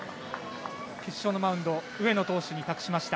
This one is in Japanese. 決勝のマウンド上野投手に託しました。